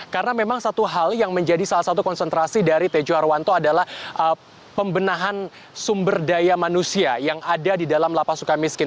karena memang satu hal yang menjadi salah satu konsentrasi dari tejo harwanto adalah pembenahan sumber daya manusia yang ada di dalam lapas suka miskin